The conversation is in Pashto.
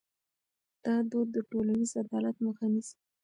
دا دود د ټولنیز عدالت مخه نیسي.